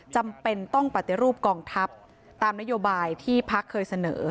จำเป็นต้องปฏิรูปกองทัพตามนโยบายที่พักเคยเสนอ